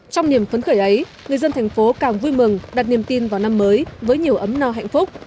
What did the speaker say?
trong niềm phấn khởi ấy người dân thành phố càng vui mừng đặt niềm tin vào năm mới với nhiều ấm no hạnh phúc